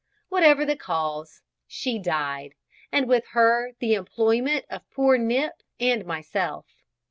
Whatever the cause, she died, and with her the employment of poor Nip and myself.